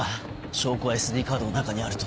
証拠はＳＤカードの中にあると。